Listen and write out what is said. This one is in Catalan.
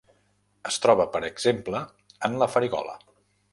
Es troba, per exemple, en la farigola.